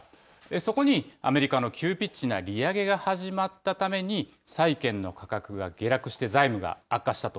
そこにアメリカの急ピッチな利上げが始まったために、債券の価格が下落して、財務が悪化したと。